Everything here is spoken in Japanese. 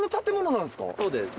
そうです。